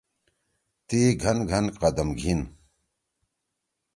تی گھن گھن قدم گھیِن۔